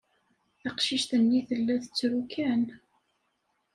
Taqcict-nni tella tettru kan.